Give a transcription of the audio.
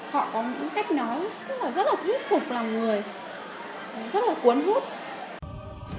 họ có những cách nói rất là thuyết phục lòng người rất là cuốn hút